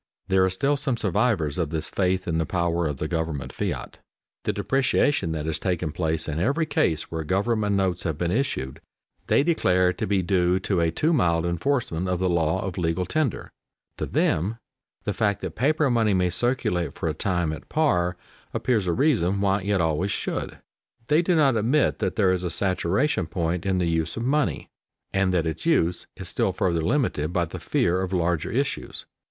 There are still some survivors of this faith in the power of the government fiat. The depreciation that has taken place in every case where government notes have been issued, they declare to be due to a too mild enforcement of the law of legal tender. To them the fact that paper money may circulate for a time at par appears a reason why it always should. They do not admit that there is a saturation point in the use of money, and that its use is still further limited by the fear of larger issues.